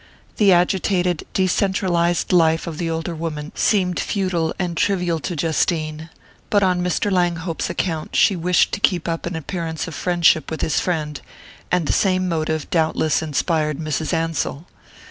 The agitated, decentralized life of the older woman seemed futile and trivial to Justine; but on Mr. Langhope's account she wished to keep up an appearance of friendship with his friend, and the same motive doubtless inspired Mrs. Ansell.